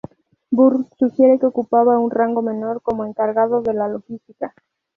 Burn sugiere que ocupaba un rango menor, como encargado de la logística.